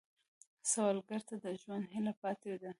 سوالګر ته د ژوند هیله پاتې ده